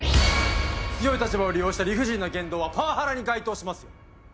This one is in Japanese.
強い立場を利用した理不尽な言動はパワハラに該当しますよ。